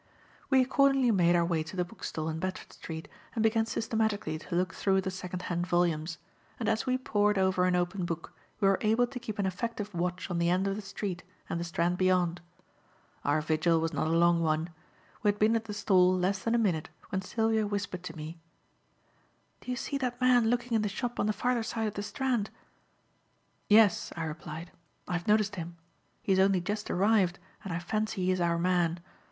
We accordingly made our way to the bookstall in Bedford Street and began systematically to look through the second hand volumes; and as we pored over an open book, we were able to keep an effective watch on the end of the street and the Strand beyond. Our vigil was not a long one. We had been at the stall less than a minute when Sylvia whispered to me: "Do you see that man looking in the shop on the farther side of the Strand?" "Yes," I replied, "I have noticed him. He has only just arrived, and I fancy he is our man.